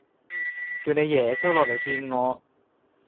叫你耶穌落嚟見我